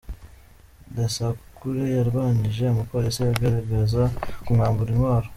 Gasakure yarwanyije umupolisi agerageza kumwambura intwaro.